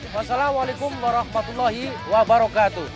wassalamualaikum warahmatullahi wabarakatuh